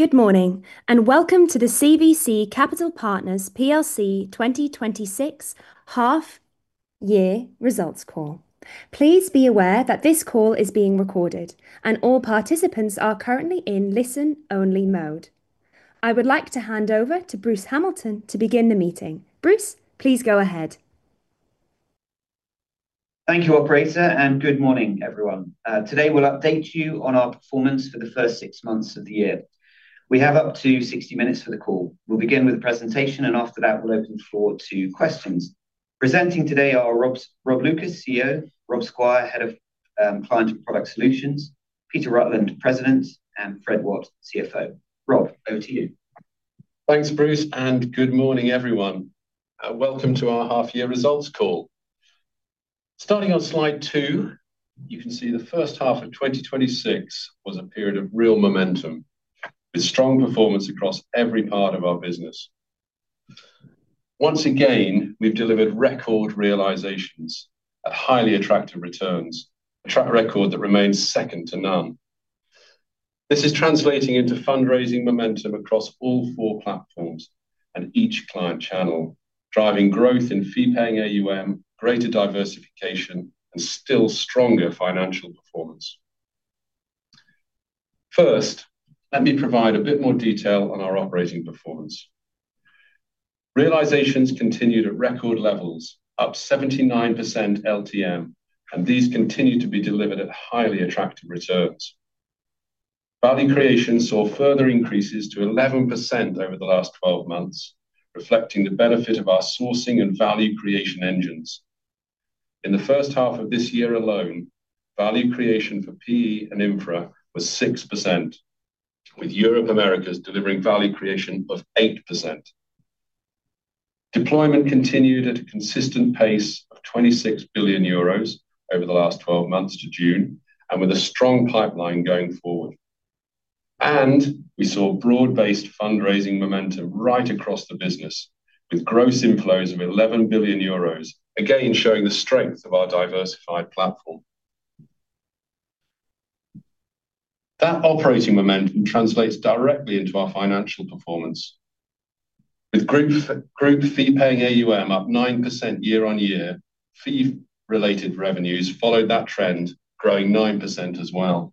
Good morning, welcome to the CVC Capital Partners plc 2026 half-year results call. Please be aware that this call is being recorded and all participants are currently in listen-only mode. I would like to hand over to Bruce Hamilton to begin the meeting. Bruce, please go ahead. Thank you, operator, good morning, everyone. Today we'll update you on our performance for the first six months of the year. We have up to 60 minutes for the call. We'll begin with a presentation, after that, we'll open the floor to questions. Presenting today are Rob Lucas, CEO, Rob Squire, Head of Client Product Solutions, Peter Rutland, President, and Fred Watt, CFO. Rob, over to you. Thanks, Bruce, good morning, everyone. Welcome to our half year results call. Starting on slide two, you can see the first half of 2026 was a period of real momentum with strong performance across every part of our business. Once again, we've delivered record realizations at highly attractive returns, a track record that remains second to none. This is translating into fundraising momentum across all four platforms and each client channel, driving growth in fee-paying AUM, greater diversification, still stronger financial performance. First, let me provide a bit more detail on our operating performance. Realizations continued at record levels, up 79% LTM. These continue to be delivered at highly attractive returns. Value creation saw further increases to 11% over the last 12 months, reflecting the benefit of our sourcing and value creation engines. In the first half of this year alone, value creation for PE and infra was 6%, with Europe Americas delivering value creation of 8%. Deployment continued at a consistent pace of 26 billion euros over the last 12 months to June, with a strong pipeline going forward. We saw broad-based fundraising momentum right across the business with gross inflows of 11 billion euros, again showing the strength of our diversified platform. That operating momentum translates directly into our financial performance. With group fee-paying AUM up 9% year-on-year, fee-related revenues followed that trend, growing 9% as well.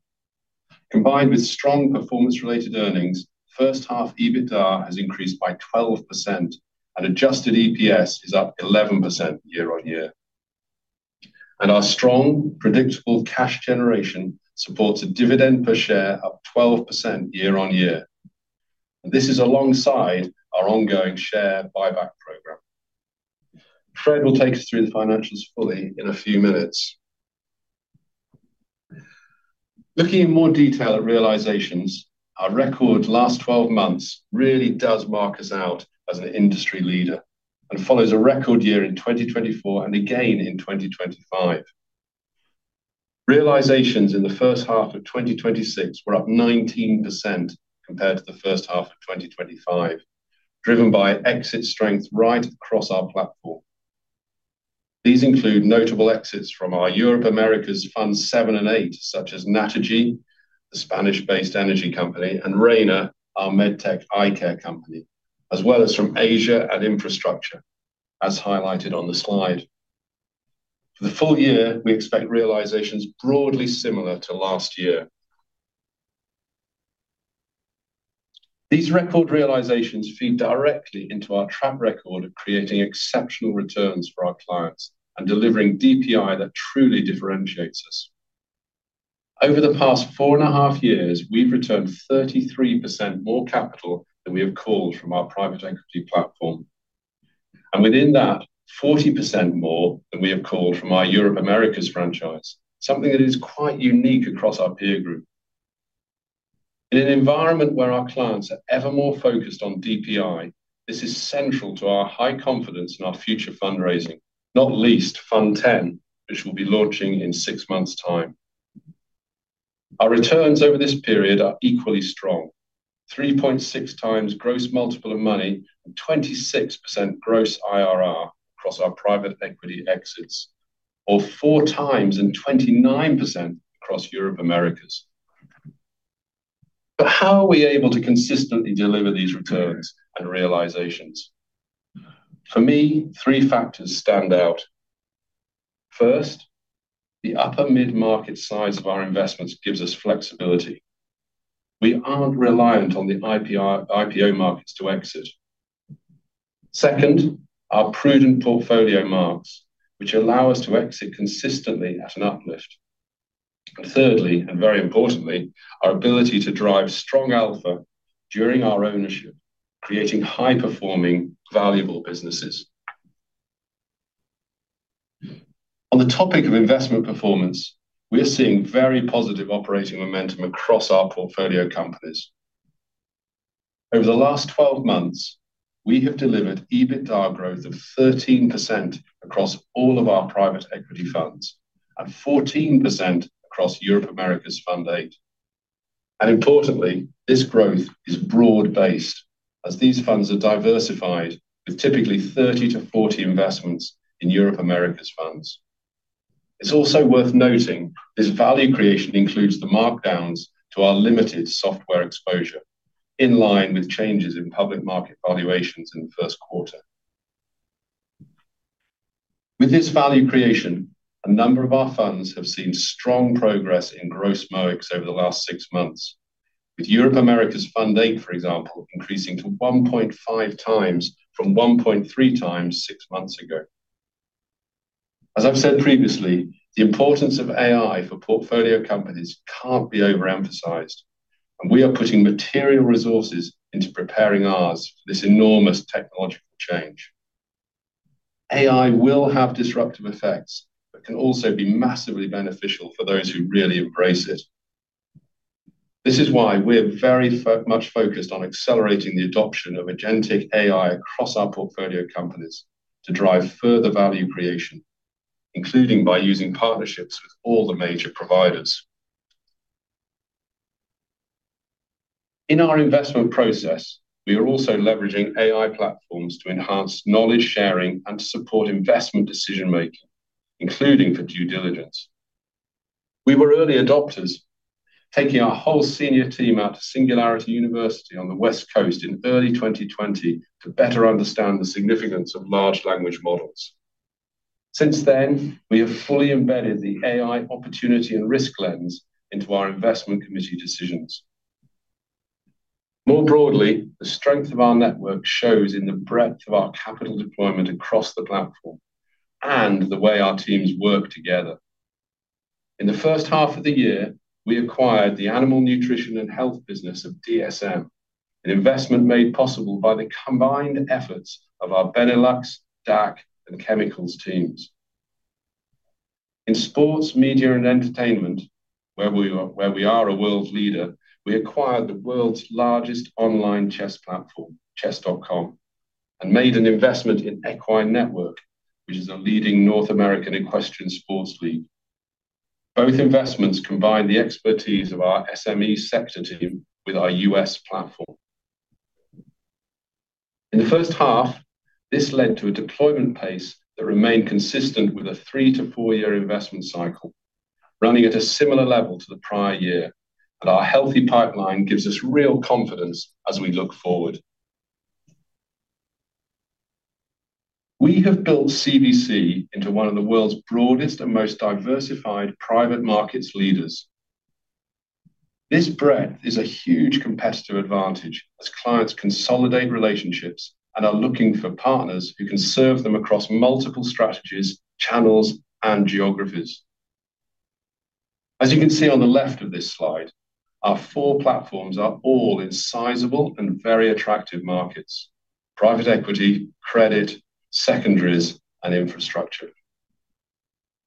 Combined with strong performance-related earnings, first half EBITDA has increased by 12% and adjusted EPS is up 11% year-on-year. Our strong, predictable cash generation supports a dividend per share up 12% year-on-year. This is alongside our ongoing share buyback program. Fred will take us through the financials fully in a few minutes. Looking in more detail at realizations, our record last 12 months really does mark us out as an industry leader and follows a record year in 2024 and again in 2025. Realizations in the first half of 2026 were up 19% compared to the first half of 2025, driven by exit strength right across our platform. These include notable exits from our Europe, Americas Fund VII and VIII, such as Naturgy, the Spanish-based energy company, and Rayner, our medtech eye care company, as well as from Asia and infrastructure, as highlighted on the slide. For the full year, we expect realizations broadly similar to last year. These record realizations feed directly into our track record of creating exceptional returns for our clients and delivering DPI that truly differentiates us. Over the past four and a half years, we've returned 33% more capital than we have called from our private equity platform. Within that, 40% more than we have called from our Europe, Americas franchise, something that is quite unique across our peer group. In an environment where our clients are ever more focused on DPI, this is central to our high confidence in our future fundraising, not least Fund X, which will be launching in six months' time. Our returns over this period are equally strong, 3.6x Gross MOIC and 26% Gross IRR across our private equity exits, or 4x and 29% across Europe, Americas. How are we able to consistently deliver these returns and realizations? For me, three factors stand out. First, the upper mid-market size of our investments gives us flexibility. We aren't reliant on the IPO markets to exit. Second, our prudent portfolio marks, which allow us to exit consistently at an uplift. Thirdly, and very importantly, our ability to drive strong alpha during our ownership, creating high-performing valuable businesses. On the topic of investment performance, we are seeing very positive operating momentum across our portfolio companies. Over the last 12 months, we have delivered EBITDA growth of 13% across all of our private equity funds and 14% across Europe, Americas Fund VIII. Importantly, this growth is broad-based as these funds are diversified with typically 30-40 investments in Europe, Americas funds. It's also worth noting this value creation includes the markdowns to our limited software exposure, in line with changes in public market valuations in the first quarter. With this value creation, a number of our funds have seen strong progress in Gross MOICs over the last six months, with Europe, Americas Fund VIII, for example, increasing to 1.5x from 1.3x six months ago. As I've said previously, the importance of AI for portfolio companies can't be overemphasized, and we are putting material resources into preparing ours for this enormous technological change. AI will have disruptive effects but can also be massively beneficial for those who really embrace it. This is why we're very much focused on accelerating the adoption of agentic AI across our portfolio companies to drive further value creation, including by using partnerships with all the major providers. In our investment process, we are also leveraging AI platforms to enhance knowledge sharing and to support investment decision-making, including for due diligence. We were early adopters, taking our whole senior team out to Singularity University on the West Coast in early 2020 to better understand the significance of large language models. Since then, we have fully embedded the AI opportunity and risk lens into our investment committee decisions. More broadly, the strength of our network shows in the breadth of our capital deployment across the platform and the way our teams work together. In the first half of the year, we acquired the Animal Nutrition & Health business of dsm-firmenich, an investment made possible by the combined efforts of our Benelux, DACH, and chemicals teams. In sports, media, and entertainment, where we are a world leader, we acquired the world's largest online chess platform, chess.com, and made an investment in Equine Network, which is a leading North American equestrian sports league. Both investments combine the expertise of our SME sector team with our U.S. platform. In the first half, this led to a deployment pace that remained consistent with a three- to four-year investment cycle, running at a similar level to the prior year. Our healthy pipeline gives us real confidence as we look forward. We have built CVC into one of the world's broadest and most diversified private markets leaders. This breadth is a huge competitive advantage as clients consolidate relationships and are looking for partners who can serve them across multiple strategies, channels, and geographies. You can see on the left of this slide, our four platforms are all in sizable and very attractive markets: private equity, credit, secondaries, and infrastructure.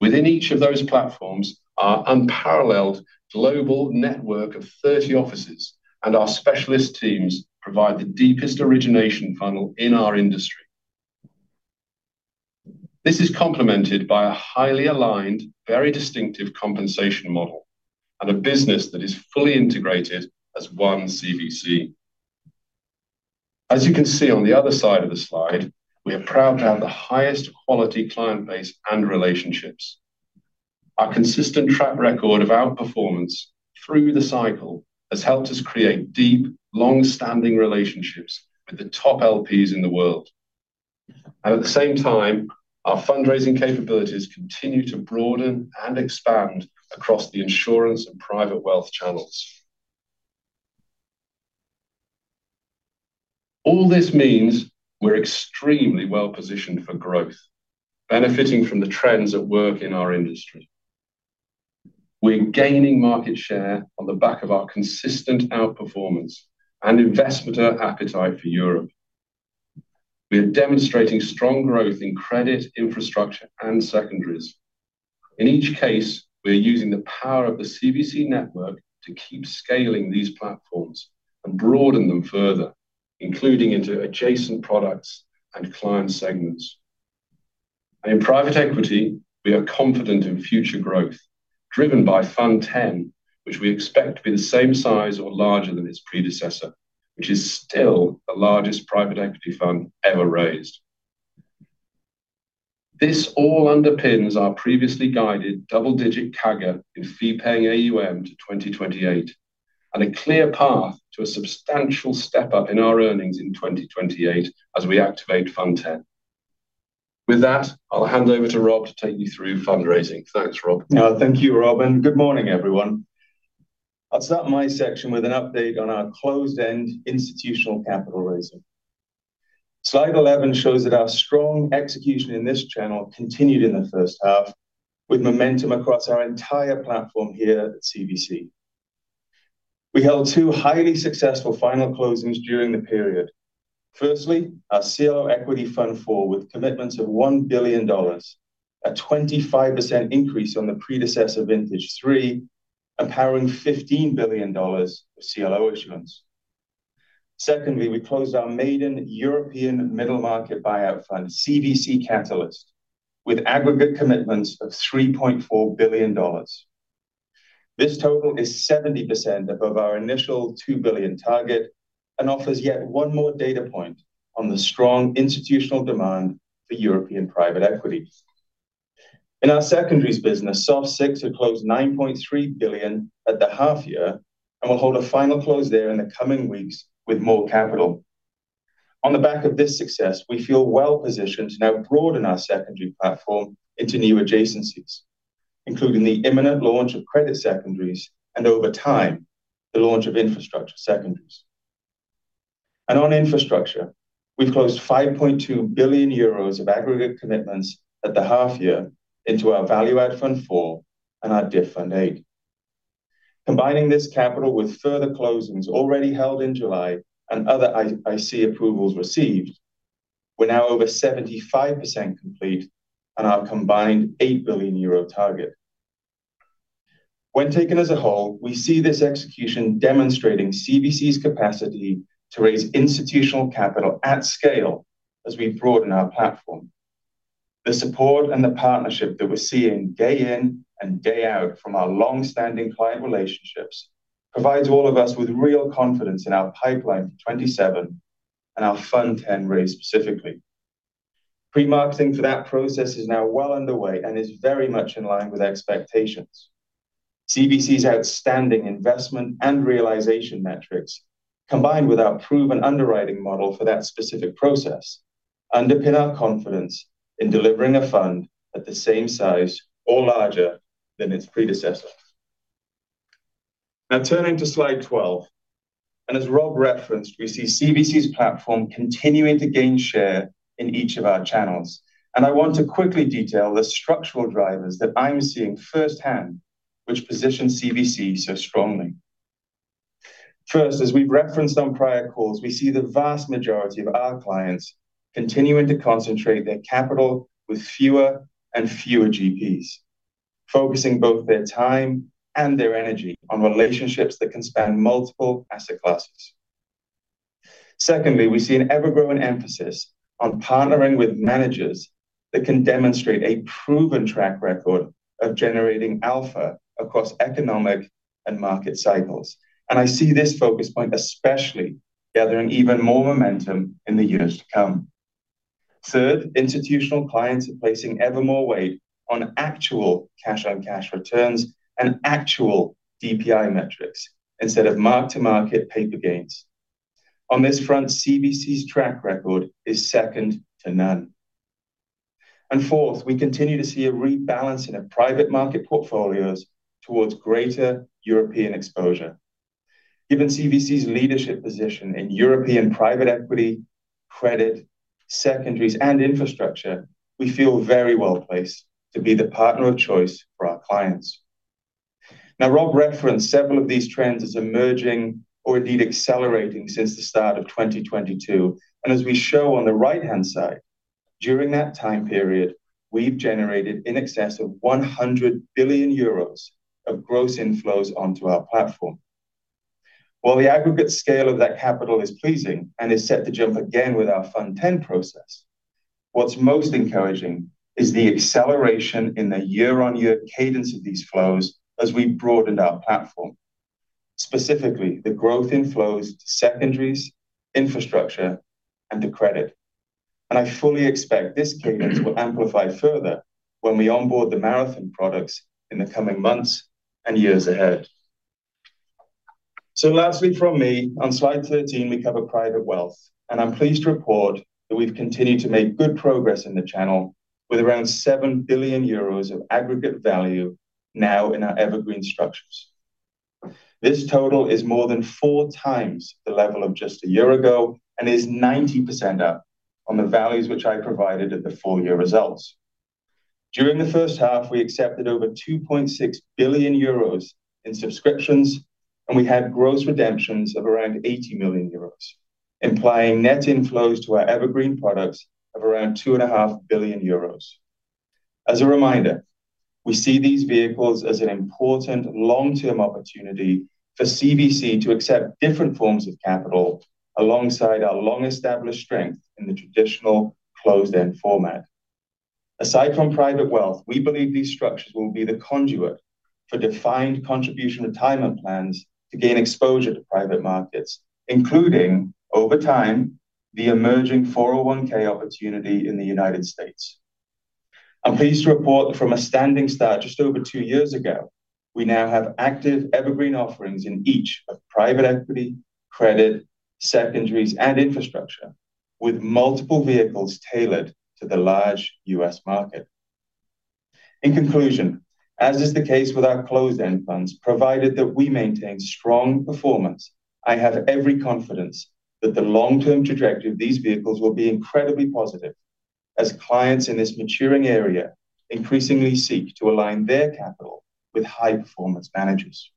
Within each of those platforms, our unparalleled global network of 30 offices and our specialist teams provide the deepest origination funnel in our industry. This is complemented by a highly aligned, very distinctive compensation model and a business that is fully integrated as one CVC. You can see on the other side of the slide, we are proud to have the highest quality client base and relationships. Our consistent track record of outperformance through the cycle has helped us create deep, long-standing relationships with the top LPs in the world. At the same time, our fundraising capabilities continue to broaden and expand across the insurance and private wealth channels. All this means we're extremely well-positioned for growth, benefiting from the trends at work in our industry. We're gaining market share on the back of our consistent outperformance and investor appetite for Europe. We are demonstrating strong growth in credit, infrastructure, and secondaries. In each case, we are using the power of the CVC network to keep scaling these platforms and broaden them further, including into adjacent products and client segments. In private equity, we are confident in future growth, driven by Fund X, which we expect to be the same size or larger than its predecessor, which is still the largest private equity fund ever raised. This all underpins our previously guided double-digit CAGR in fee-paying AUM to 2028 and a clear path to a substantial step-up in our earnings in 2028 as we activate Fund X. With that, I'll hand over to Rob to take you through fundraising. Thanks, Rob. Thank you, Rob, and good morning, everyone. I will start my section with an update on our closed-end institutional capital raising. Slide 11 shows that our strong execution in this channel continued in the first half, with momentum across our entire platform here at CVC. We held two highly successful final closings during the period. Firstly, our CLO Equity Fund IV, with commitments of $1 billion, a 25% increase on the predecessor vintage 3, empowering $15 billion of CLO issuance. Secondly, we closed our maiden European middle market buyout fund, CVC Catalyst, with aggregate commitments of EUR 3.4 billion. This total is 70% above our initial 2 billion target and offers yet one more data point on the strong institutional demand for European private equity. In our secondaries business, SOF VI have closed 9.3 billion at the half year and will hold a final close there in the coming weeks with more capital. On the back of this success, we feel well-positioned to now broaden our secondary platform into new adjacencies, including the imminent launch of credit secondaries and, over time, the launch of infrastructure secondaries. On infrastructure, we have closed €5.2 billion of aggregate commitments at the half year into our Value Add IV and our DIF Fund VIII. Combining this capital with further closings already held in July and other IC approvals received, we are now over 75% complete on our combined 8 billion euro target. When taken as a whole, we see this execution demonstrating CVC's capacity to raise institutional capital at scale as we broaden our platform. The support and the partnership that we are seeing day in and day out from our longstanding client relationships provides all of us with real confidence in our pipeline for 2027 and our Fund X raise specifically. Pre-marketing for that process is now well underway and is very much in line with expectations. CVC's outstanding investment and realization metrics, combined with our proven underwriting model for that specific process, underpin our confidence in delivering a fund at the same size or larger than its predecessors. Now turning to slide 12, as Rob referenced, we see CVC's platform continuing to gain share in each of our channels. I want to quickly detail the structural drivers that I am seeing firsthand which position CVC so strongly. First, as we have referenced on prior calls, we see the vast majority of our clients continuing to concentrate their capital with fewer and fewer GPs, focusing both their time and their energy on relationships that can span multiple asset classes. Secondly, we see an ever-growing emphasis on partnering with managers that can demonstrate a proven track record of generating alpha across economic and market cycles. I see this focus point especially gathering even more momentum in the years to come. Third, institutional clients are placing ever more weight on actual cash on cash returns and actual DPI metrics instead of mark-to-market paper gains. On this front, CVC's track record is second to none. Fourth, we continue to see a rebalancing of private market portfolios towards greater European exposure. Given CVC's leadership position in European private equity, credit, secondaries, and infrastructure, we feel very well-placed to be the partner of choice for our clients. Rob referenced several of these trends as emerging or indeed accelerating since the start of 2022. As we show on the right-hand side, during that time period, we've generated in excess of 100 billion euros of gross inflows onto our platform. While the aggregate scale of that capital is pleasing and is set to jump again with our Fund X process, what's most encouraging is the acceleration in the year-on-year cadence of these flows as we broadened our platform, specifically the growth inflows to secondaries, infrastructure, and to credit. I fully expect this cadence will amplify further when we onboard the Marathon products in the coming months and years ahead. Lastly from me, on slide 13, we cover private wealth, and I'm pleased to report that we've continued to make good progress in the channel with around 7 billion euros of aggregate value now in our evergreen structures. This total is more than four times the level of just a year ago and is 90% up on the values which I provided at the full-year results. During the first half, we accepted over 2.6 billion euros in subscriptions, and we had gross redemptions of around 80 million euros, implying net inflows to our evergreen products of around 2.5 billion euros. As a reminder, we see these vehicles as an important long-term opportunity for CVC to accept different forms of capital alongside our long-established strength in the traditional closed-end format. Aside from private wealth, we believe these structures will be the conduit for defined contribution retirement plans to gain exposure to private markets, including, over time, the emerging 401 opportunity in the United States. I'm pleased to report that from a standing start just over two years ago, we now have active evergreen offerings in each of private equity, credit, secondaries, and infrastructure, with multiple vehicles tailored to the large U.S. market. In conclusion, as is the case with our closed-end funds, provided that we maintain strong performance, I have every confidence that the long-term trajectory of these vehicles will be incredibly positive as clients in this maturing area increasingly seek to align their capital with high-performance managers.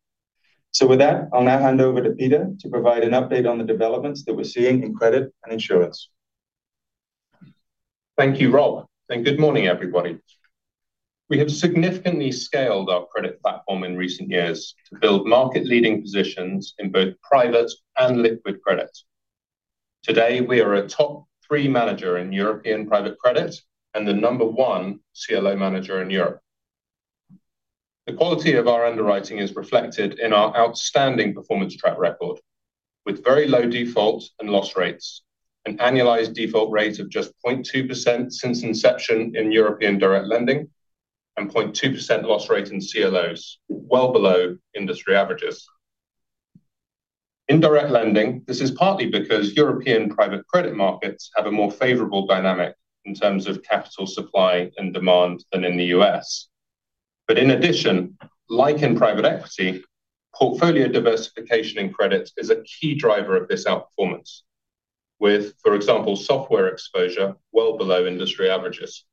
With that, I'll now hand over to Peter to provide an update on the developments that we're seeing in credit and insurance. Thank you, Rob, good morning, everybody. We have significantly scaled our credit platform in recent years to build market-leading positions in both private and liquid credit. Today, we are a top three manager in European private credit and the number one CLO manager in Europe. The quality of our underwriting is reflected in our outstanding performance track record, with very low default and loss rates, an annualized default rate of just 0.2% since inception in European direct lending, and 0.2% loss rate in CLOs, well below industry averages. In direct lending, this is partly because European private credit markets have a more favorable dynamic in terms of capital supply and demand than in the U.S. In addition, like in private equity, portfolio diversification in credit is a key driver of this outperformance with, for example, software exposure well below industry averages.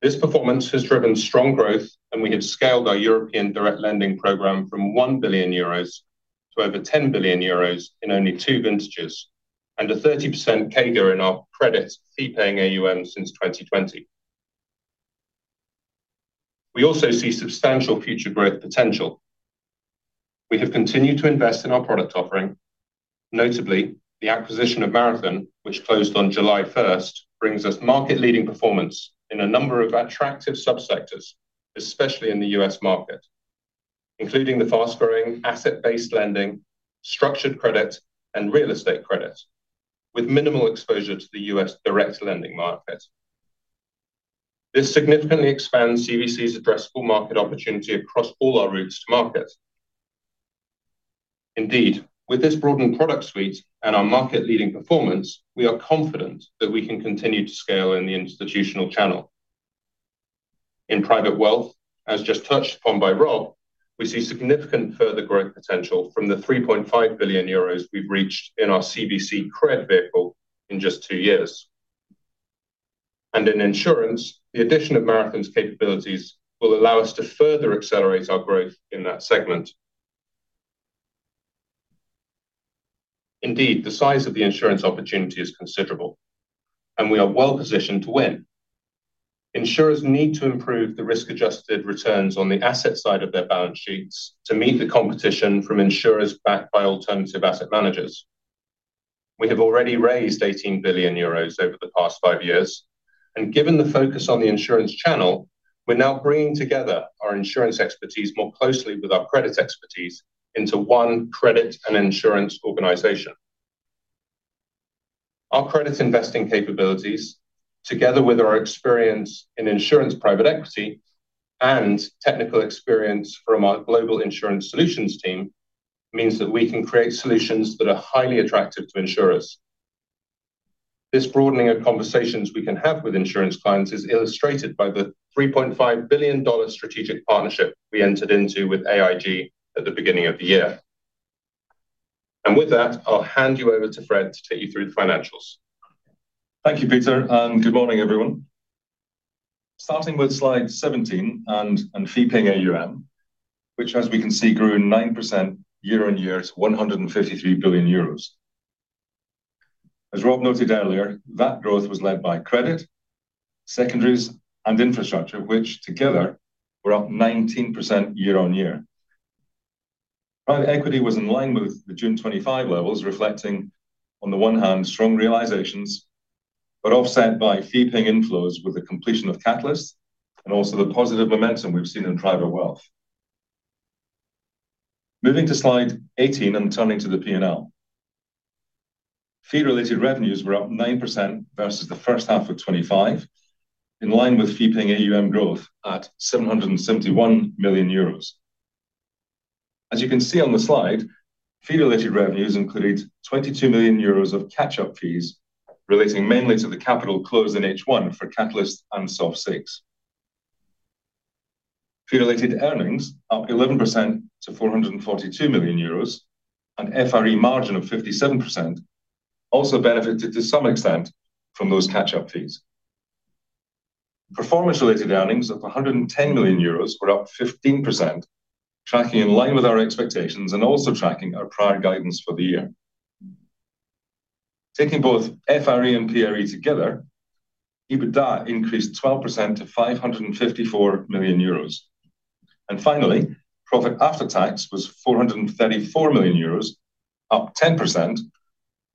This performance has driven strong growth, and we have scaled our European direct lending program from 1 billion euros to over 10 billion euros in only two vintages, and a 30% CAGR in our credit fee-paying AUM since 2020. We also see substantial future growth potential. We have continued to invest in our product offering. Notably, the acquisition of Marathon, which closed on July 1st, brings us market-leading performance in a number of attractive sub-sectors, especially in the U.S. market, including the fast-growing asset-based lending, structured credit, and real estate credit, with minimal exposure to the U.S. direct lending market. This significantly expands CVC's addressable market opportunity across all our routes to market. Indeed, with this broadened product suite and our market-leading performance, we are confident that we can continue to scale in the institutional channel. In private wealth, as just touched upon by Rob, we see significant further growth potential from the 3.5 billion euros we've reached in our CVC-CRED vehicle in just two years. In insurance, the addition of Marathon's capabilities will allow us to further accelerate our growth in that segment. Indeed, the size of the insurance opportunity is considerable, and we are well-positioned to win. Insurers need to improve the risk-adjusted returns on the asset side of their balance sheets to meet the competition from insurers backed by alternative asset managers. We have already raised 18 billion euros over the past five years, and given the focus on the insurance channel, we're now bringing together our insurance expertise more closely with our credit expertise into one credit and insurance organization. Our credit investing capabilities, together with our experience in insurance private equity and technical experience from our global insurance solutions team, means that we can create solutions that are highly attractive to insurers. This broadening of conversations we can have with insurance clients is illustrated by the EUR 3.5 billion strategic partnership we entered into with AIG at the beginning of the year. With that, I'll hand you over to Fred to take you through the financials. Thank you, Peter, and good morning, everyone. Starting with slide 17 and fee-paying AUM, which as we can see grew 9% year-over-year to 153 billion euros. As Rob noted earlier, that growth was led by credit, secondaries, and infrastructure, which together were up 19% year-over-year. Private equity was in line with the June 2025 levels, reflecting, on the one hand, strong realizations, but offset by fee-paying inflows with the completion of Catalyst and also the positive momentum we've seen in private wealth. Moving to slide 18 and turning to the P&L. Fee-related revenues were up 9% versus the first half of 2025, in line with fee-paying AUM growth at 771 million euros. As you can see on the slide, fee-related revenues included 22 million euros of catch-up fees relating mainly to the capital closed in H1 for Catalyst and SOF VI. Fee-related earnings up 11% to 442 million euros, an FRE margin of 57% also benefited to some extent from those catch-up fees. Performance-related earnings of 110 million euros were up 15%, tracking in line with our expectations and also tracking our prior guidance for the year. Taking both FRE and PRE together, EBITDA increased 12% to 554 million euros. Finally, profit after tax was 434 million euros, up 10%,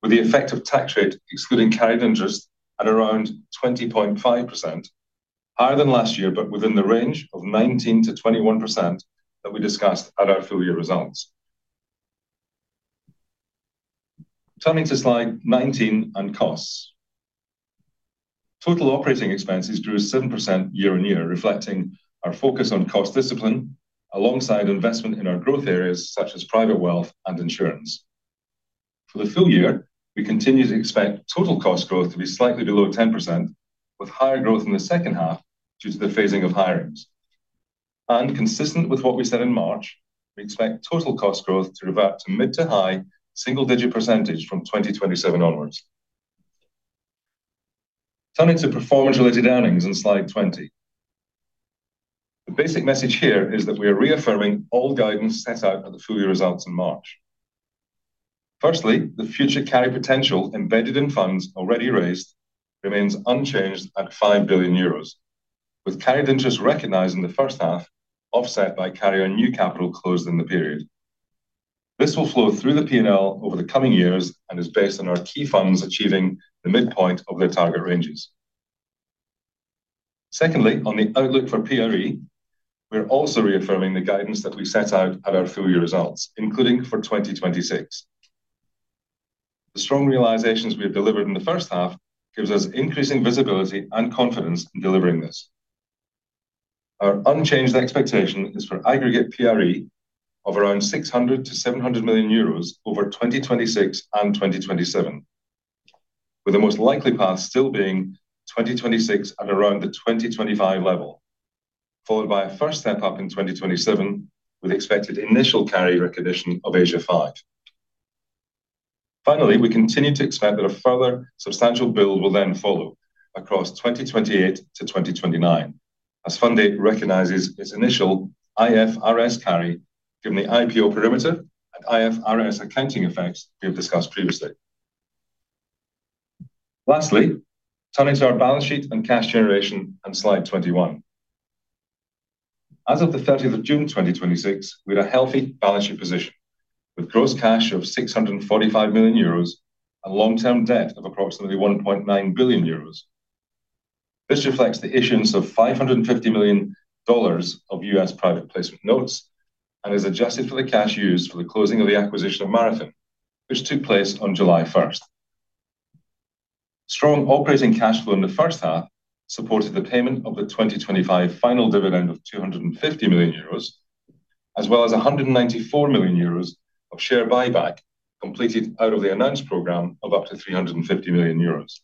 with the effective tax rate excluding carried interest at around 20.5%, higher than last year, but within the range of 19%-21% that we discussed at our full-year results. Turning to slide 19 on costs. Total operating expenses grew 7% year-on-year, reflecting our focus on cost discipline alongside investment in our growth areas such as private wealth and insurance. For the full year, we continue to expect total cost growth to be slightly below 10%, with higher growth in the second half due to the phasing of hirings. Consistent with what we said in March, we expect total cost growth to revert to mid to high single-digit percentage from 2027 onwards. Turning to performance-related earnings on slide 20. The basic message here is that we are reaffirming all guidance set out at the full-year results in March. Firstly, the future carry potential embedded in funds already raised remains unchanged at 5 billion euros. With carried interest recognized in the first half, offset by carry on new capital closed in the period. This will flow through the P&L over the coming years and is based on our key funds achieving the midpoint of their target ranges. Secondly, on the outlook for PRE, we are also reaffirming the guidance that we set out at our full-year results, including for 2026. The strong realizations we have delivered in the first half gives us increasing visibility and confidence in delivering this. Our unchanged expectation is for aggregate PRE of around 600 million to 700 million euros over 2026 and 2027, with the most likely path still being 2026 at around the 2025 level, followed by a first step up in 2027 with expected initial carry recognition of Asia V. Finally, we continue to expect that a further substantial build will then follow across 2028 to 2029 as Fund VIII recognizes its initial IFRS carry given the IPO perimeter and IFRS accounting effects we have discussed previously. Lastly, turning to our balance sheet and cash generation on slide 21. As of the 30th of June 2026, we had a healthy balance sheet position with gross cash of 645 million euros and long-term debt of approximately 1.9 billion euros. This reflects the issuance of $550 million of US private placement notes and is adjusted for the cash used for the closing of the acquisition of Marathon, which took place on July 1st. Strong operating cash flow in the first half supported the payment of the 2025 final dividend of 250 million euros, as well as 194 million euros of share buyback completed out of the announced program of up to 350 million euros.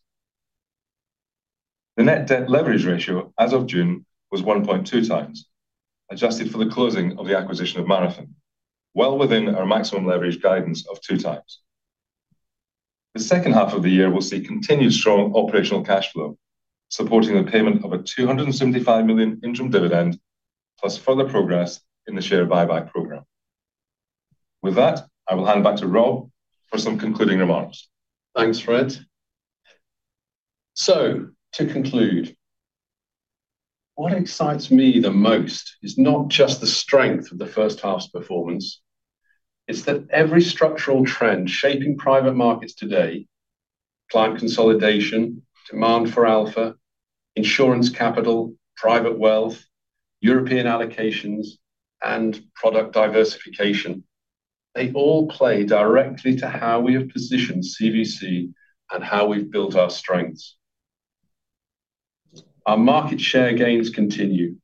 The net debt leverage ratio as of June was 1.2x, adjusted for the closing of the acquisition of Marathon, well within our maximum leverage guidance of two times. The second half of the year will see continued strong operational cash flow, supporting the payment of a 275 million interim dividend, plus further progress in the share buyback program. With that, I will hand back to Rob for some concluding remarks. Thanks, Fred. To conclude, what excites me the most is not just the strength of the first half's performance, it's that every structural trend shaping private markets today, client consolidation, demand for alpha, insurance capital, private wealth, European allocations, and product diversification, they all play directly to how we have positioned CVC and how we've built our strengths. Our market share gains continue.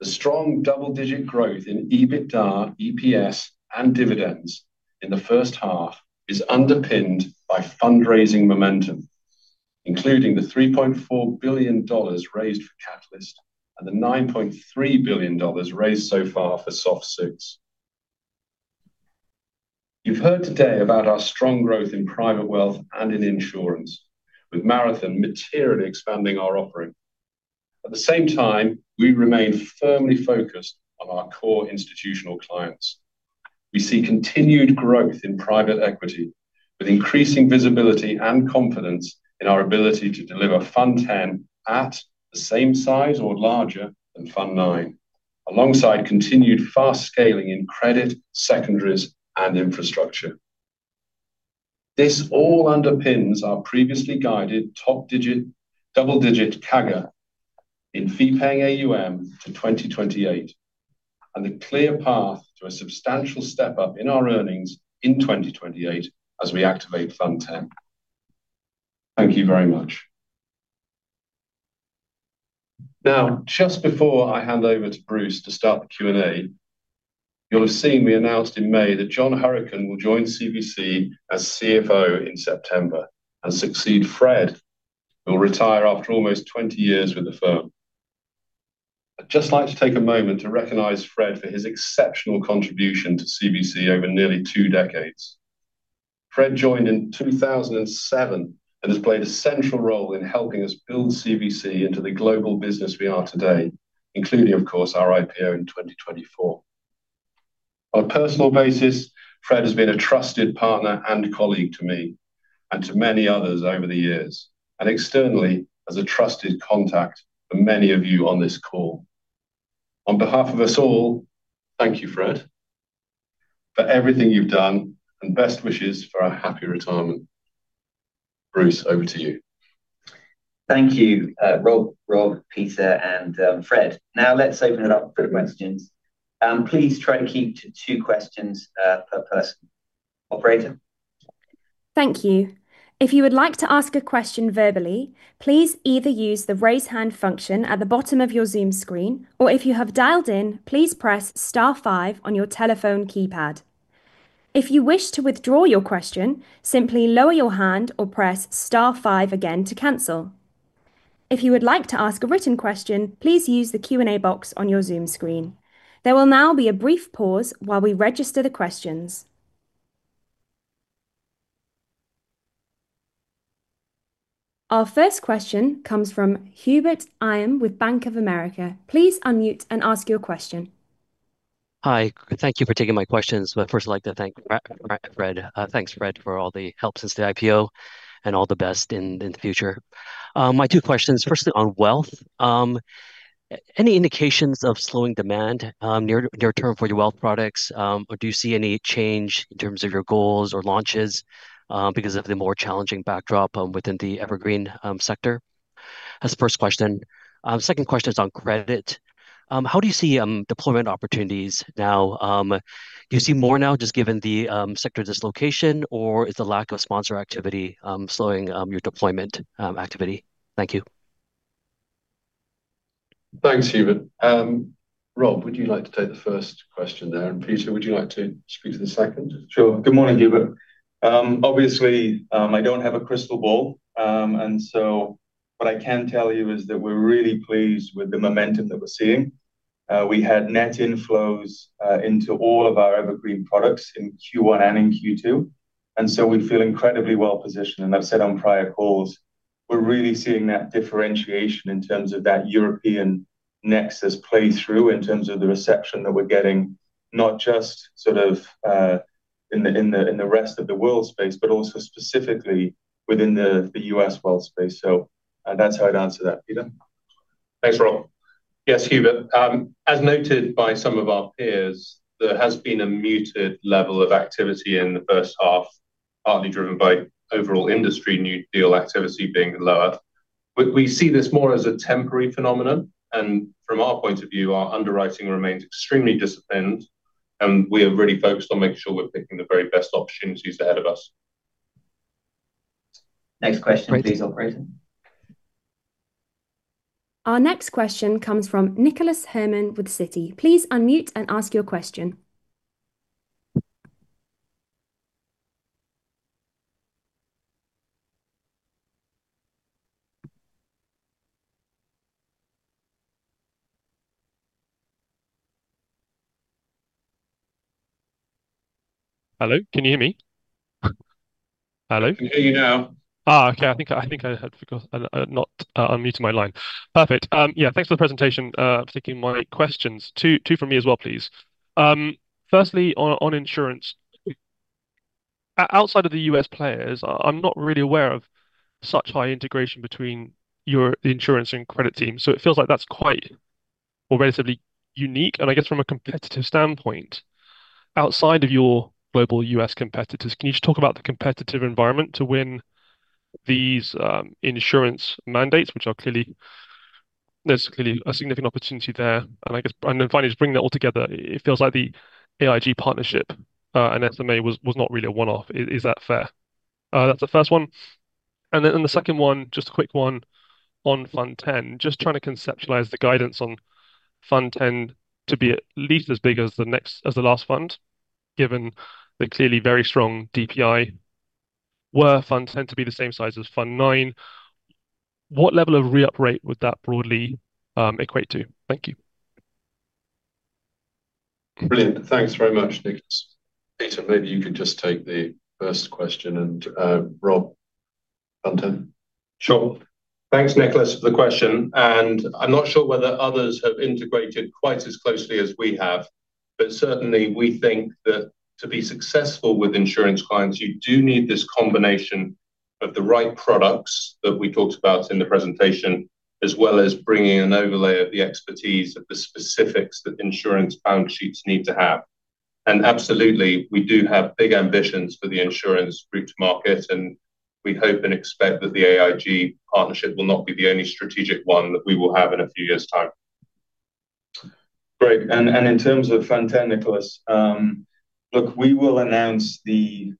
The strong double-digit growth in EBITDA, EPS, and dividends in the first half is underpinned by fundraising momentum, including the EUR 3.4 billion raised for Catalyst and the EUR 9.3 billion raised so far for SOF VI. You've heard today about our strong growth in private wealth and in insurance, with Marathon materially expanding our offering. At the same time, we remain firmly focused on our core institutional clients. We see continued growth in private equity with increasing visibility and confidence in our ability to deliver Fund X at the same size or larger than Fund IX, alongside continued fast scaling in credit, secondaries, and infrastructure. This all underpins our previously guided top digit, double-digit CAGR in fee-paying AUM to 2028, and the clear path to a substantial step-up in our earnings in 2028 as we activate Fund X. Thank you very much. Now, just before I hand over to Bruce to start the Q&A, you'll have seen we announced in May that John Hourican will join CVC as CFO in September and succeed Fred, who will retire after almost 20 years with the firm. I'd just like to take a moment to recognize Fred for his exceptional contribution to CVC over nearly two decades. Fred joined in 2007 and has played a central role in helping us build CVC into the global business we are today, including, of course, our IPO in 2024. On a personal basis, Fred has been a trusted partner and colleague to me and to many others over the years, and externally as a trusted contact for many of you on this call. On behalf of us all, thank you, Fred, for everything you've done, and best wishes for a happy retirement. Bruce, over to you. Thank you, Rob, Peter, and Fred. Let's open it up for questions. Please try to keep to two questions per person. Operator. Thank you. If you would like to ask a question verbally, please either use the raise hand function at the bottom of your Zoom screen, or if you have dialed in, please press star five on your telephone keypad. If you wish to withdraw your question, simply lower your hand or press star five again to cancel. If you would like to ask a written question, please use the Q&A box on your Zoom screen. There will be a brief pause while we register the questions. Our first question comes from Hubert Lam with Bank of America. Please unmute and ask your question Hi. Thank you for taking my questions, but first I'd like to thank Fred. Thanks, Fred, for all the help since the IPO and all the best in the future. My two questions, firstly on wealth. Any indications of slowing demand near-term for your wealth products? Do you see any change in terms of your goals or launches because of the more challenging backdrop within the evergreen sector? That's the first question. Second question is on credit. How do you see deployment opportunities now? Do you see more now just given the sector dislocation, or is the lack of sponsor activity slowing your deployment activity? Thank you. Thanks, Hubert. Rob, would you like to take the first question there, and Peter, would you like to speak to the second? Sure. Good morning, Hubert. Obviously, I don't have a crystal ball. What I can tell you is that we're really pleased with the momentum that we're seeing. We had net inflows into all of our evergreen products in Q1 and in Q2, we feel incredibly well-positioned. I've said on prior calls, we're really seeing that differentiation in terms of that European nexus play through in terms of the reception that we're getting, not just sort of in the rest of the world space, but also specifically within the U.S. wealth space. That's how I'd answer that. Peter? Thanks, Rob. Yes, Hubert. As noted by some of our peers, there has been a muted level of activity in the first half, partly driven by overall industry new deal activity being lower. We see this more as a temporary phenomenon. From our point of view, our underwriting remains extremely disciplined, and we are really focused on making sure we're picking the very best opportunities ahead of us. Next question please, operator. Our next question comes from Nicholas Herman with Citi. Please unmute and ask your question. Hello, can you hear me? Hello? We can hear you now. Okay. I think I had forgot I'd not unmuted my line. Perfect. Thanks for the presentation, sticking my questions. Two from me as well, please. Firstly, on insurance. Outside of the U.S. players, I'm not really aware of such high integration between your insurance and credit team, so it feels like that's quite or relatively unique. I guess from a competitive standpoint, outside of your global U.S. competitors, can you just talk about the competitive environment to win these insurance mandates, which are clearly There's clearly a significant opportunity there. Finally, just bringing it all together, it feels like the AIG partnership and SMA was not really a one-off. Is that fair? That's the first one. In the second one, just a quick one on Fund X. Just trying to conceptualize the guidance on Fund X to be at least as big as the last fund, given the clearly very strong DPI were Fund X to be the same size as Fund IX. What level of re-up rate would that broadly equate to? Thank you. Brilliant. Thanks very much, Nicholas. Peter, maybe you could just take the first question, and Rob, Fund X. Sure. Thanks, Nicholas, for the question. I'm not sure whether others have integrated quite as closely as we have, but certainly we think that to be successful with insurance clients, you do need this combination of the right products that we talked about in the presentation, as well as bringing an overlay of the expertise of the specifics that insurance balance sheets need to have. Absolutely, we do have big ambitions for the insurance group market, and we hope and expect that the AIG partnership will not be the only strategic one that we will have in a few years' time. Great. In terms of Fund X, Nicholas, look, we will announce the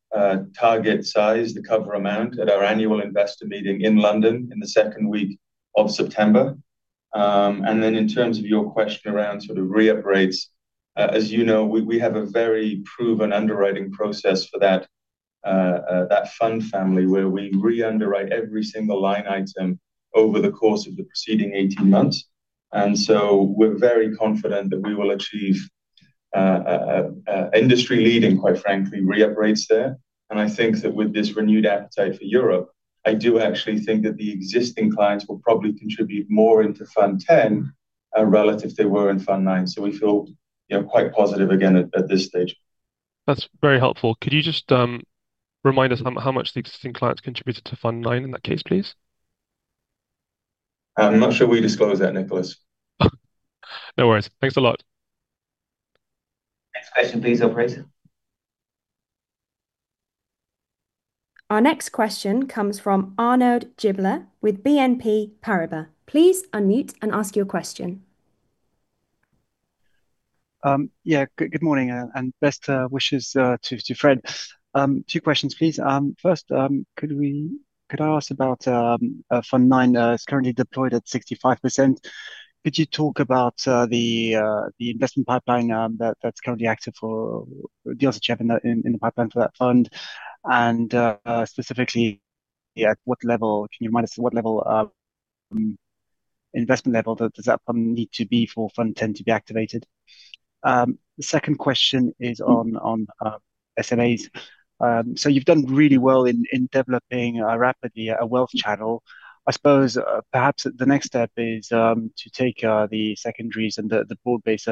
target size, the cover amount, at our annual investor meeting in London in the second week of September. In terms of your question around sort of re-up rates, as you know, we have a very proven underwriting process for that fund family where we re-underwrite every single line item over the course of the preceding 18 months. We're very confident that we will achieve industry leading, quite frankly, re-up rates there. I think that with this renewed appetite for Europe, I do actually think that the existing clients will probably contribute more into Fund X relative they were in Fund IX. We feel quite positive again at this stage. That's very helpful. Could you just remind us how much the existing clients contributed to Fund IX in that case, please? I'm not sure we disclose that, Nicholas. No worries. Thanks a lot. Next question please, operator. Our next question comes from Arnaud Giblat with BNP Paribas. Please unmute and ask your question. Good morning, and best wishes to Fred. Two questions, please. First, could I ask about Fund IX is currently deployed at 65%. Could you talk about the investment pipeline that's currently active for, the asset cap in the pipeline for that fund? Specifically, at what level, can you remind us at what level, investment level, does that fund need to be for Fund X to be activated? The second question is on SMAs. You've done really well in developing rapidly a wealth channel. I suppose perhaps the next step is to take the secondaries and the broad-based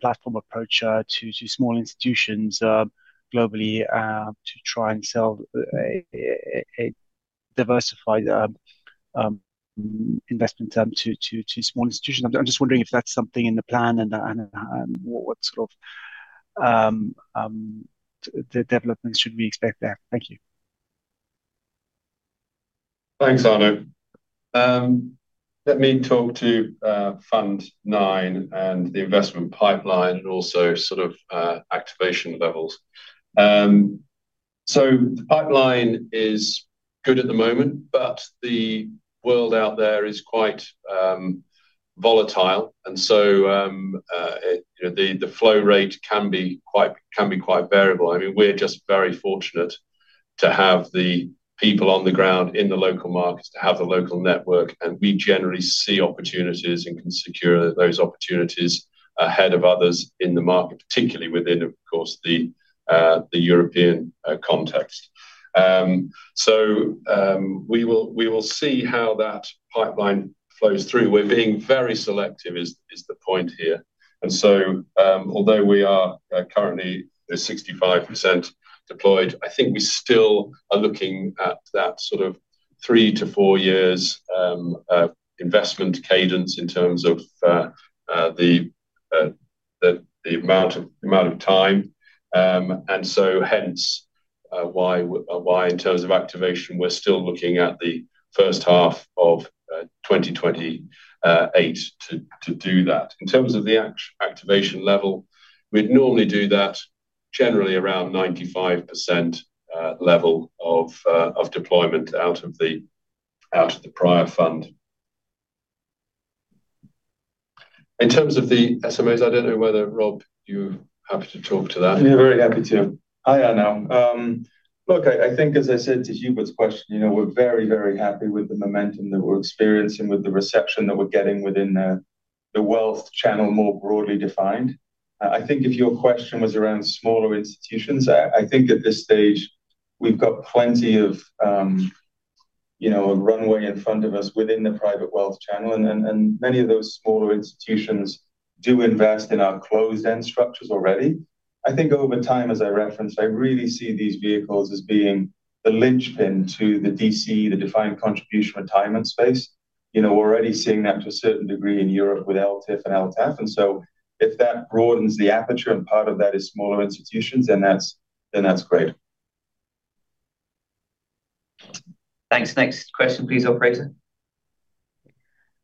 platform approach to small institutions globally to try and sell a diversified investment term to small institutions. I'm just wondering if that's something in the plan and what sort of developments should we expect there. Thank you. Thanks, Arno. Let me talk to Fund IX and the investment pipeline and also sort of activation levels. The pipeline is good at the moment, but the world out there is quite volatile and so the flow rate can be quite variable. I mean, we're just very fortunate to have the people on the ground in the local markets to have the local network, and we generally see opportunities and can secure those opportunities ahead of others in the market, particularly within, of course, the European context. We will see how that pipeline flows through. We're being very selective is the point here. Although we are currently 65% deployed, I think we still are looking at that sort of three to four years of investment cadence in terms of the amount of time. Hence why in terms of activation, we're still looking at the first half of 2028 to do that. In terms of the activation level, we'd normally do that generally around 95% level of deployment out of the prior fund. In terms of the SMAs, I don't know whether, Rob, you're happy to talk to that. Yeah, very happy to. Hi, Arnaud. Look, I think as I said to Hubert's question, we're very, very happy with the momentum that we're experiencing, with the reception that we're getting within the wealth channel, more broadly defined. I think if your question was around smaller institutions, I think at this stage we've got plenty of runway in front of us within the private wealth channel. Many of those smaller institutions do invest in our closed-end structures already. I think over time, as I referenced, I really see these vehicles as being the linchpin to the DC, the defined contribution retirement space. We're already seeing that to a certain degree in Europe with LTIF and LTAF. If that broadens the aperture and part of that is smaller institutions, then that's great. Thanks. Next question please, operator.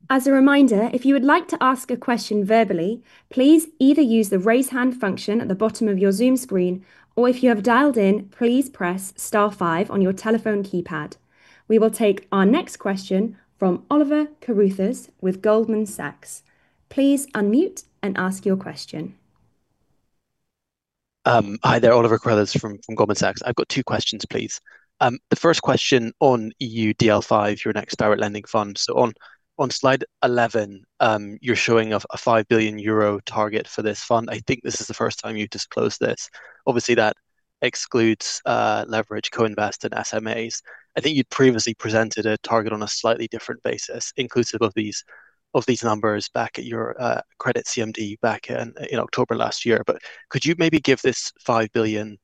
As a reminder, if you would like to ask a question verbally, please either use the raise hand function at the bottom of your Zoom screen, or if you have dialed in, please press star five on your telephone keypad. We will take our next question from Oliver Carruthers with Goldman Sachs. Please unmute and ask your question. Hi there, Oliver Carruthers from Goldman Sachs. I've got two questions, please. The first question on EUDL V, your next direct lending fund. On Slide 11, you're showing a 5 billion euro target for this fund. I think this is the first time you've disclosed this. Obviously, that excludes leverage, co-invest and SMAs. I think you'd previously presented a target on a slightly different basis, inclusive of these numbers back at your credit CMD back in October last year. Could you maybe give this 5 billion,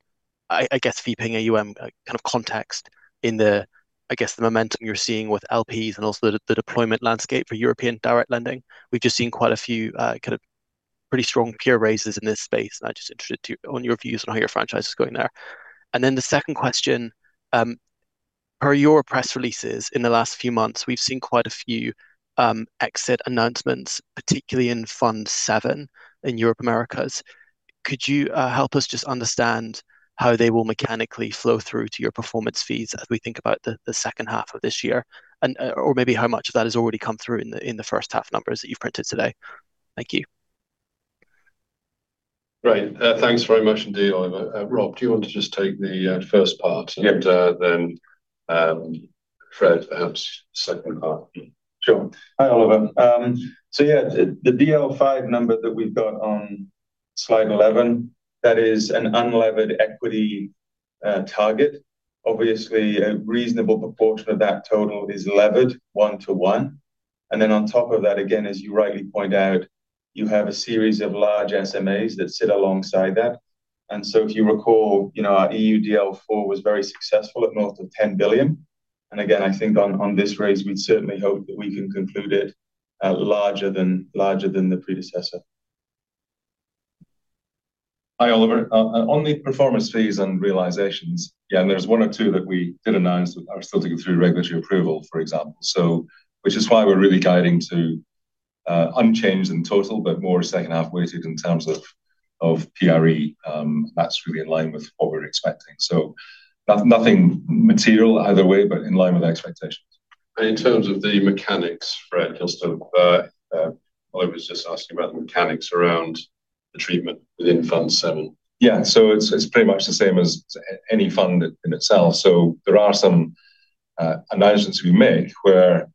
I guess, fee-paying AUM kind of context in the, I guess, the momentum you're seeing with LPs and also the deployment landscape for European direct lending? We've just seen quite a few kind of pretty strong peer raises in this space, and I'm just interested on your views on how your franchise is going there. The second question, per your press releases in the last few months, we've seen quite a few exit announcements, particularly in Fund VII in Europe, Americas. Could you help us just understand how they will mechanically flow through to your performance fees as we think about the second half of this year? Maybe how much of that has already come through in the first half numbers that you've printed today? Thank you. Great. Thanks very much indeed, Oliver. Rob, do you want to just take the first part? Yeah. Fred, perhaps second part. Hi, Oliver. Yeah, the DL5 number that we've got on Slide 11, that is an unlevered equity target. Obviously, a reasonable proportion of that total is levered one to one. On top of that, again, as you rightly point out, you have a series of large SMAs that sit alongside that. If you recall, our EUDL IV was very successful at north of 10 billion. Again, I think on this raise, we'd certainly hope that we can conclude it larger than the predecessor. Hi, Oliver. On the performance fees and realizations, yeah, there's one or two that we did announce that are still to go through regulatory approval, for example. Which is why we're really guiding to unchanged in total, but more second half weighted in terms of PRE. That's really in line with what we're expecting. Nothing material either way, but in line with expectations. In terms of the mechanics, Fred, you'll still Oliver was just asking about the mechanics around the treatment within Fund VII. Yeah. It's pretty much the same as any fund in itself. There are some announcements we make where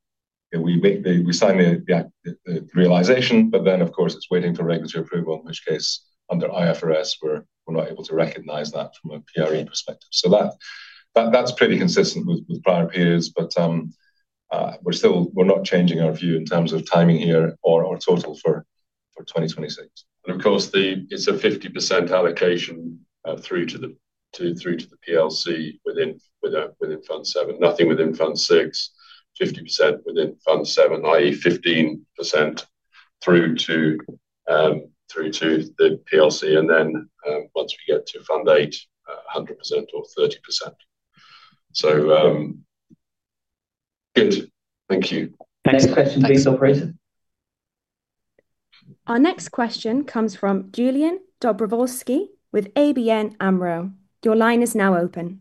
we sign the realization, but then, of course, it's waiting for regulatory approval, in which case, under IFRS, we're not able to recognize that from a PRE perspective. That's pretty consistent with prior periods. We're not changing our view in terms of timing here or our total for 2026. Of course, it's a 50% allocation through to the PLC within Fund VII. Nothing within Fund VI, 50% within Fund VII, i.e., 15% through to the PLC, and then once we get to Fund VIII, 100% or 30%. Good. Thank you. Next question please, operator. Our next question comes from Julian Dobrowolski with ABN AMRO. Your line is now open.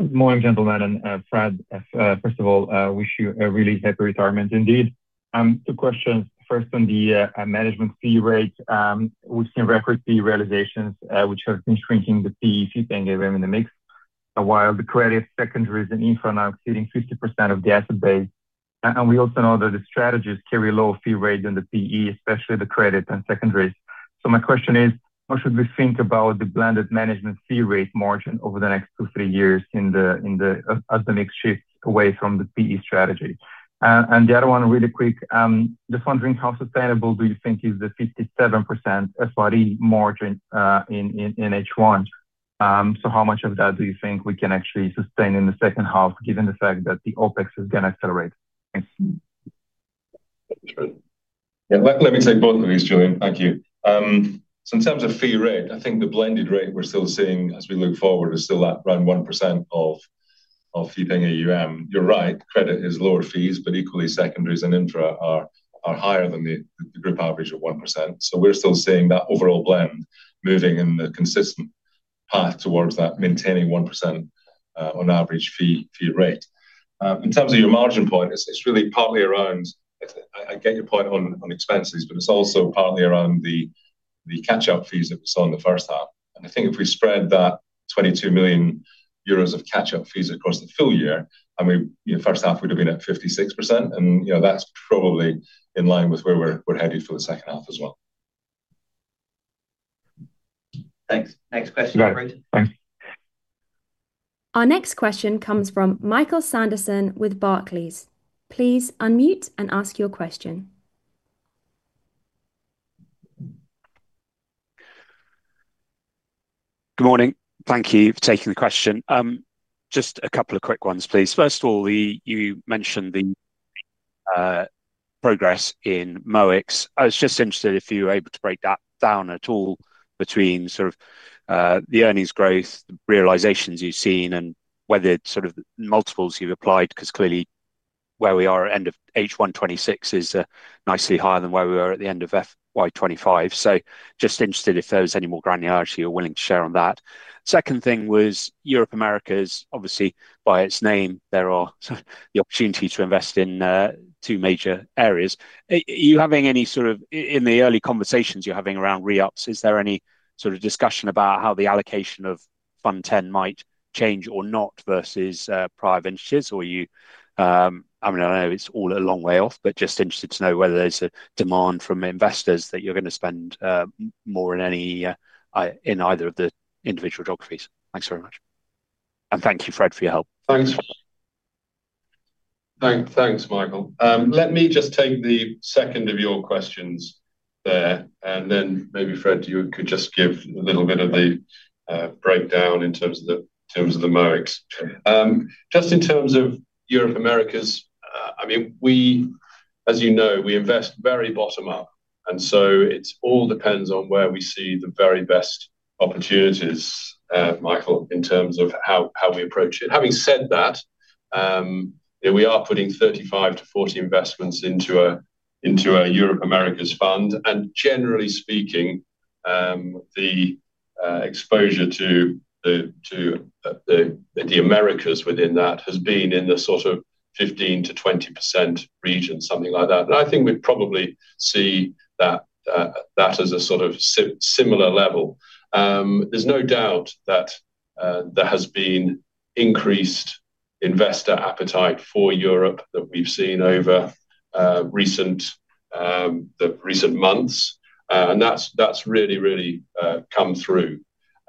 Morning, gentlemen, and Fred, first of all, wish you a really happy retirement indeed. Two questions. First, on the management fee rate. We've seen record fee realizations, which have been shrinking the fee, if you think of them in the mix, while the credit secondaries and infra are now exceeding 50% of the asset base. We also know that the strategies carry lower fee rates than the PE, especially the credit and secondaries. My question is, what should we think about the blended management fee rate margin over the next two, three years as the mix shifts away from the PE strategy? The other one really quick, just wondering how sustainable do you think is the 57% FRE margin in H1. How much of that do you think we can actually sustain in the second half, given the fact that the OpEx is going to accelerate? Thanks. Sure. Let me take both of these, Julian. Thank you. In terms of fee rate, I think the blended rate we're still seeing as we look forward is still at around 1% of fee-paying AUM. You're right, credit is lower fees, but equally secondaries and infra are higher than the group average of 1%. We're still seeing that overall blend moving in the consistent path towards that maintaining 1% on average fee rate. In terms of your margin point, it's really partly around I get your point on expenses, but it's also partly around the catch-up fees that we saw in the first half. I think if we spread that 22 million euros of catch-up fees across the full year, first half would've been at 56%, and that's probably in line with where we're headed for the second half as well. Thanks. Next question, operator. Right. Thanks. Our next question comes from Michael Sanderson with Barclays. Please unmute and ask your question. Good morning. Thank you for taking the question. Just a couple of quick ones, please. First of all, you mentioned the progress in MOICs. I was just interested if you were able to break that down at all between the earnings growth, the realizations you've seen, and whether it's multiples you've applied, because clearly where we are at end of H1 2026 is nicely higher than where we were at the end of FY 2025. Just interested if there was any more granularity you're willing to share on that. Second thing was Europe, Americas, obviously by its name, there are the opportunity to invest in two major areas. Are you having any, in the early conversations you're having around re-ups, is there any discussion about how the allocation of Fund X might change or not versus private ventures? I know it's all a long way off. Just interested to know whether there's a demand from investors that you're going to spend more in either of the individual geographies. Thanks very much. Thank you, Fred, for your help. Thanks. Thanks, Michael. Let me just take the second of your questions there, then maybe Fred, you could just give a little bit of the breakdown in terms of the MOICs. Just in terms of Europe, Americas, as you know, we invest very bottom up, it all depends on where we see the very best opportunities, Michael, in terms of how we approach it. Having said that, we are putting 35-40 investments into our Europe, Americas fund, generally speaking, the exposure to the Americas within that has been in the sort of 15%-20% region, something like that. I think we probably see that as a sort of similar level. There's no doubt that there has been increased investor appetite for Europe that we've seen over the recent months. That's really come through.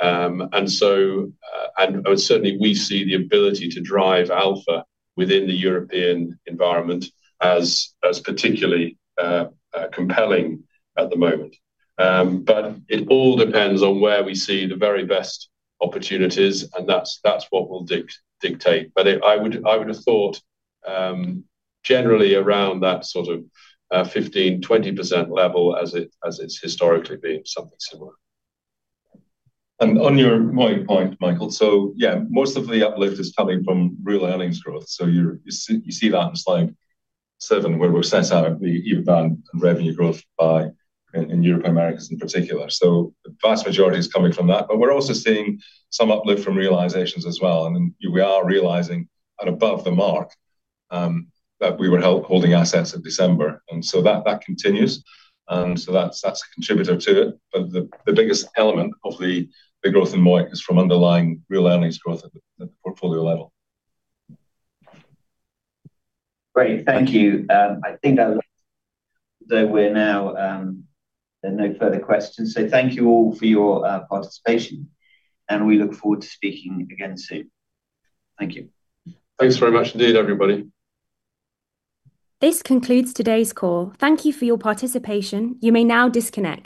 Certainly we see the ability to drive alpha within the European environment as particularly compelling at the moment. It all depends on where we see the very best opportunities, and that's what we'll dictate. I would've thought, generally around that sort of 15%-20% level as it's historically been something similar. On your MOIC point, Michael, yeah, most of the uplift is coming from real earnings growth. You see that in slide seven where we've set out the year-to-date and revenue growth by, in Europe, Americas in particular. The vast majority is coming from that, we're also seeing some uplift from realizations as well, and we are realizing at above the mark, that we were holding assets at December. That continues. That's a contributor to it. The biggest element of the growth in MOIC is from underlying real earnings growth at the portfolio level. Great. Thank you. I think that we're now, there are no further questions, thank you all for your participation, and we look forward to speaking again soon. Thank you. Thanks very much indeed, everybody. This concludes today's call. Thank you for your participation. You may now disconnect.